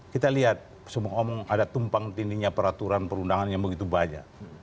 kita lihat semua omong ada tumpang tindihnya peraturan perundangan yang begitu banyak